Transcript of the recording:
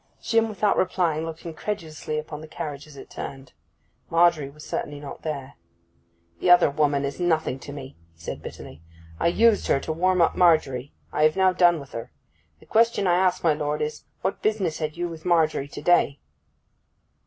Jim, without replying, looked incredulously into the carriage as it turned. Margery was certainly not there. 'The other woman is nothing to me,' he said bitterly. 'I used her to warm up Margery: I have now done with her. The question I ask, my lord, is, what business had you with Margery to day?